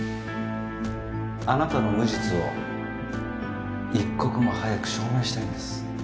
あなたの無実を一刻も早く証明したいんだ。